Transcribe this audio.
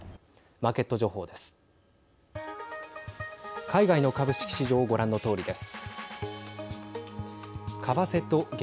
マーケット情報です。